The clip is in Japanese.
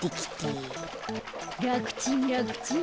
らくちんらくちん。